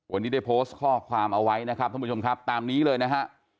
วันนี้ได้โพสต์ข้อความเอาไว้นะครับท่านผู้ชมครับตามนี้เลยนะฮะ